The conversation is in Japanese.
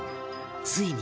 ついに